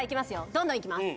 どんどんいきます